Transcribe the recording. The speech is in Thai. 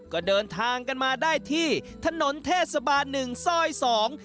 ก็เดินทางกันมาได้ที่ถนนเทศบาลหนึ่งซอยสอง